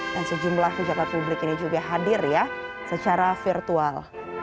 dan sejumlah kejabat publik ini juga hadir ya secara virtual